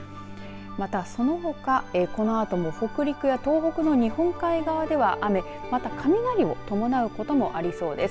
また、そのほかこのあとも北陸や東北の日本海側では雨、また雷を伴うこともありそうです。